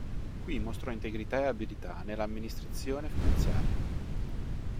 Qui mostrò integrità e abilità nella amministrazione finanziaria.